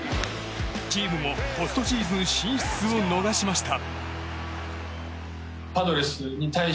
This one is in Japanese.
チームもポストシーズン進出を逃しました。